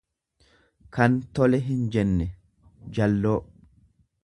tan tole hinjenne, jalloo.